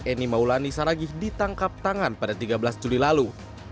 eni maulani saragih ditangkap tangan pada tiga belas juli lalu